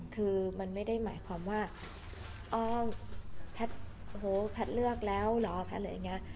คือมันไม่ได้หมายความว่าอ๋อแพทย์โอ้โหแพทย์เลือกแล้วเหรอแพทย์อะไรอย่างนี้